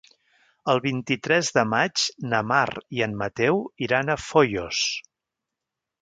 El vint-i-tres de maig na Mar i en Mateu iran a Foios.